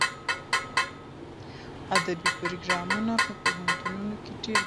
ادبي پروګرامونه په پوهنتونونو کې ډېر ګټور دي.